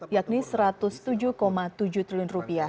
yakni rp satu ratus tujuh tujuh triliun